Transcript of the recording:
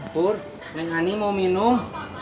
tur neng ani mau minum